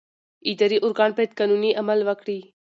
اداري ارګان باید قانوني عمل وکړي.